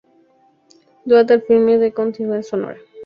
Dota al filme de continuidad sonora.